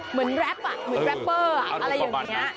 เหมือนแรปอะเหมือนแรปเปอร์อะอะไรอย่างนี้